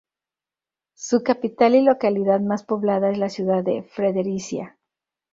Su capital y localidad más poblada es la ciudad de Fredericia.